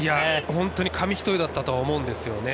本当に紙一重だったと思うんですよね。